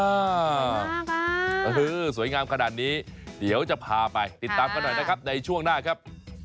สวยงามขนาดนี้เดี๋ยวจะพาไปติดตามกันหน่อยนะครับในช่วงหน้าครับ